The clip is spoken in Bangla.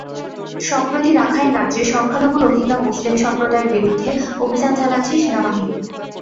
সম্প্রতি রাখাইন রাজ্যে সংখ্যালঘু রোহিঙ্গা মুসলিম সম্প্রদায়ের বিরুদ্ধে অভিযান চালাচ্ছে সেনাবাহিনী।